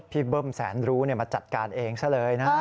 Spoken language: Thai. พี่เบิ้มแสนรู้เนี่ยมาจัดการเองซะเลยนะ